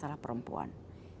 atau masalah perempuan